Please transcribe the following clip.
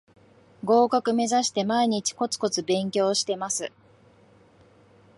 合格めざして毎日コツコツ勉強してます